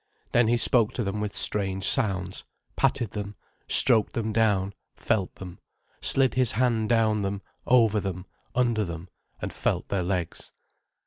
Then he spoke to them with strange sounds, patted them, stroked them down, felt them, slid his hand down them, over them, under them, and felt their legs.